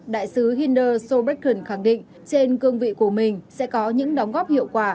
đại sứ hinder sobreken khẳng định trên cương vị của mình sẽ có những đóng góp hiệu quả